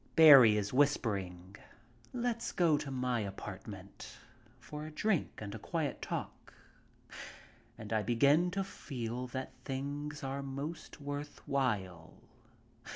Barrie is whispering, "Let's go to my apartment for a drink and a quiet talk," and I begin to feel that things are most worth while.